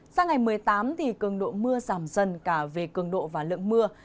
sao ngày một mươi tám thì cường độ mưa giảm dần cả về cường độ và lượng mưa